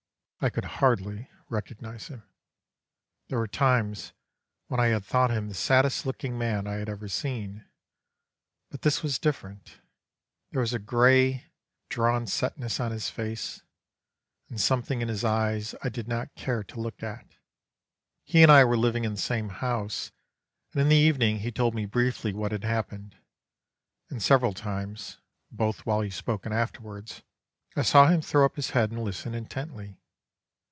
I could hardly recognise him. There were times when I had thought him the saddest looking man I had ever seen, but this was different. There was a grey, drawn setness on his face, and something in his eyes I did not care to look at. He and I were living in the same house, and in the evening he told me briefly what had happened, and several times, both while he spoke and afterwards, I saw him throw up his head and listen intently.